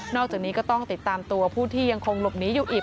จากนี้ก็ต้องติดตามตัวผู้ที่ยังคงหลบหนีอยู่อีก